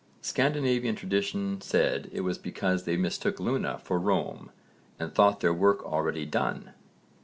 Scandinavian tradition said it was because they mistook Luna for Rome and thought their work already done!